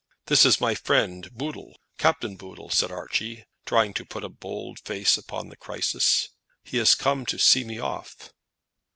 "This is my friend Boodle, Captain Boodle," said Archie, trying to put a bold face upon the crisis. "He has come to see me off."